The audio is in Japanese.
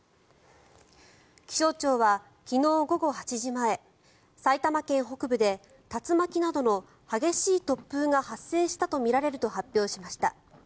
気象庁は昨日午後８時前埼玉県北部で竜巻などの激しい突風が発生したとみられると発表しました。